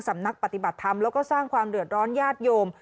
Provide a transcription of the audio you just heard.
สำนักปฏิบัติธรรมแล้วก็สร้างความเดือดร้อนญาติโยม